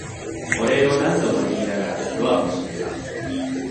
お礼を何度も言いながらドアを閉めた。